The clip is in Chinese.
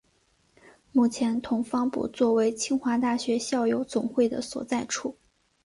目前同方部作为清华大学校友总会的所在处。